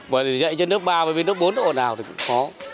mà dạy cho lớp ba và bên kia lớp bốn nó ồn ào thì cũng khó